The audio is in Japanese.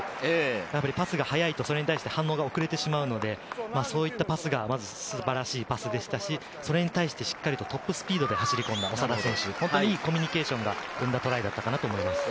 パスが速いとそれに対して、反応が遅れてしまうので、そういったパスがまず素晴らしかったですし、それに対してトップスピードで走り込んだ長田選手、いいコミュニケーションが生んだトライだと思います。